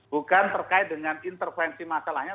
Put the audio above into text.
bukan terkait dengan intervensi masalahnya